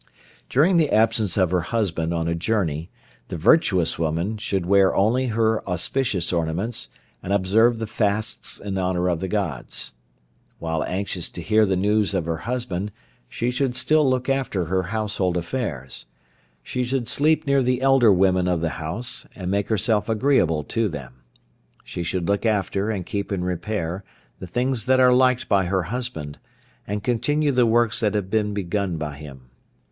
During the absence of her husband on a journey the virtuous woman should wear only her auspicious ornaments, and observe the fasts in honour of the Gods. While anxious to hear the news of her husband, she should still look after her household affairs. She should sleep near the elder women of the house, and make herself agreeable to them. She should look after and keep in repair the things that are liked by her husband, and continue the works that have been begun by him.